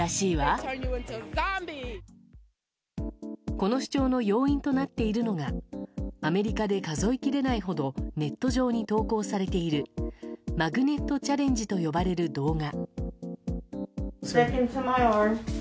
この主張の要因となっているのがアメリカで数えきれないほどネット上に投稿されているマグネットチャレンジと呼ばれる動画。